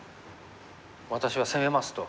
「私は攻めます」と。